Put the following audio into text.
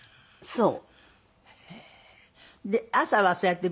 そう。